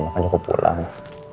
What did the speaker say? makanya aku pulang